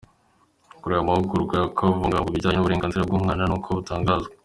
Kuri aya mahugurwa yo kuvuga ku bijyanye n’uburenganzira bw’umwana n’uko butangazwa.